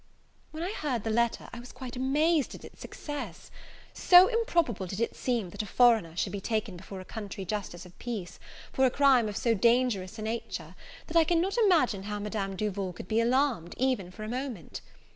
When I heard the letter, I was quite amazed at its success. So improbable did it seem, that a foreigner should be taken before a country justice of peace, for a crime of so dangerous a nature, that I cannot imagine how Madame Duval could be alarmed, even for a moment.